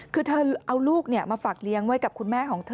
คือเธอเอาลูกมาฝากเลี้ยงไว้กับคุณแม่ของเธอ